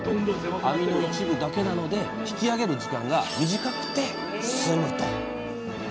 網の一部だけなので引きあげる時間が短くて済むと。